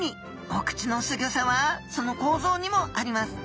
お口のすギョさはその構造にもあります。